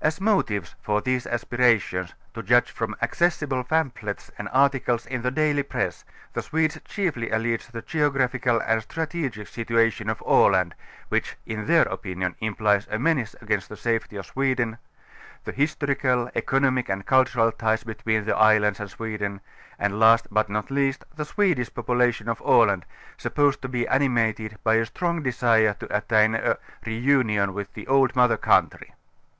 As motives for these aspirations, to judge from accessible pamphlets and articles in the daily press, the Swedes chiefly allege the geographical and stra tegic situation of Aland, which in their opinion implies a .menace against the safety of Sweden, the historical, econo mic and cultural ties between the islands and iSweden, and last but not least the Swedish population of Aland, supposed to be animated by a strong desire to attain a ,, reunion w├Āth the old mother country".